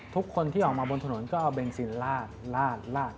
ทุกคนที่ออกมาบนถนนก็เอาเบนซินลาดลาดลาด